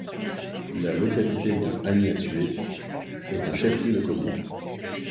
La localité de Aniassué est un chef-lieu de commune.